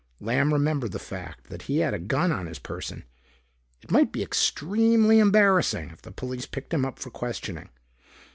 Lamb remembered the fact that he had a gun on his person. It might be extremely embarrassing if the police picked him up for questioning.